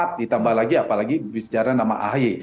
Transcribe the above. yang tepat ditambah lagi apalagi bicara nama ahy